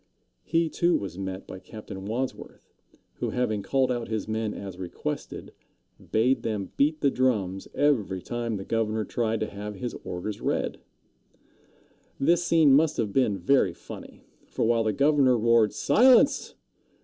He, too, was met by Captain Wadsworth, who, having called out his men as requested, bade them beat the drums every time the governor tried to have his orders read. This scene must have been very funny; for while the governor roared, "Silence!"